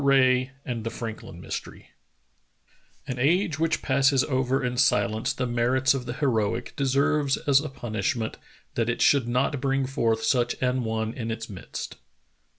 RAE AND THE FRANKLIN MYSTERY "An age which passes over in silence the merits of the heroic deserves as a punishment that it should not bring forth such an one in its midst."